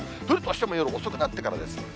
降るとしても夜遅くなってからです。